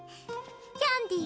キャンディー